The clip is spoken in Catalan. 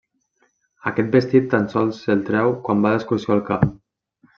Aquest vestit tan sols se'l treu quan va d'excursió al camp.